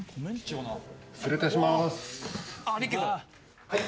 失礼いたします。